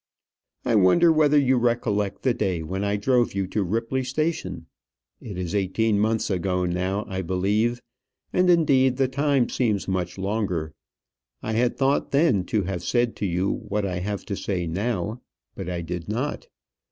I wonder whether you recollect the day when I drove you to Ripley Station! It is eighteen months ago now, I believe; and indeed the time seems much longer. I had thought then to have said to you what I have to say now; but I did not.